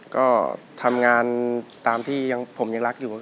ก็ทำงานตามที่ผมยังรักอยู่